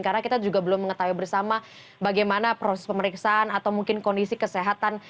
karena kita juga belum mengetahui bersama bagaimana proses pemeriksaan atau mungkin kondisi kesehatan